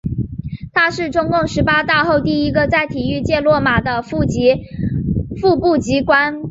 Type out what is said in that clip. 他是中共十八大后第一个在体育界落马的副部级高官。